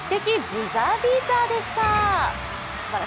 ブザービートでした。